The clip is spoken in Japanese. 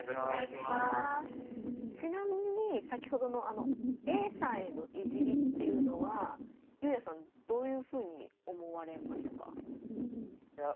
ちなみに先ほどのＡさんへの「いじり」っていうのはゆうやさんどういうふうに思われましたか？